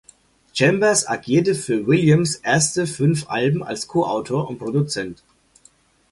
Chambers agierte für Williams' erste fünf Alben als Co-Autor und Produzent.